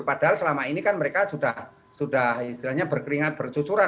padahal selama ini kan mereka sudah istilahnya berkeringat bercucuran